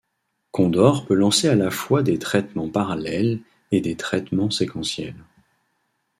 Condor peut lancer à la fois des traitements parallèles et des traitements séquentiels.